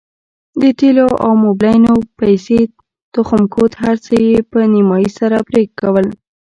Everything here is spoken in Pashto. د تېلو او موبلينو پيسې تخم کود هرڅه يې په نيمايي سره پرې کول.